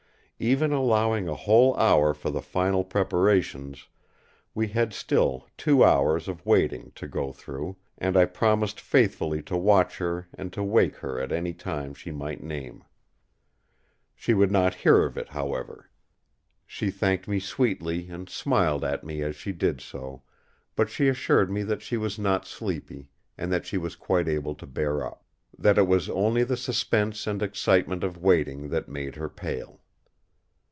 Even allowing a whole hour for the final preparations, we had still two hours of waiting to go through, and I promised faithfully to watch her and to awake her at any time she might name. She would not hear of it, however. She thanked me sweetly and smiled at me as she did so; but she assured me that she was not sleepy, and that she was quite able to bear up. That it was only the suspense and excitement of waiting that made her pale.